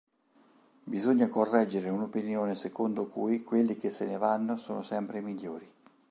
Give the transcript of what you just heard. Bisogna correggere un’opinione secondo cui quelli che se ne vanno sono sempre i migliori.